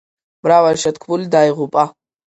მრავალი შეთქმული დაიღუპა.